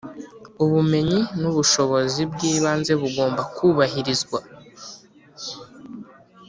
ubumenyi n ubushobozi bw ibanze bugomba kubahirizwa.